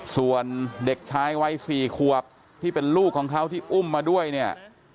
ส่วนเด็กชายวัย๔ขวบที่เป็นลูกของเขาที่อุ้มมาด้วยเนี่ย